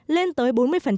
lên tới bốn mươi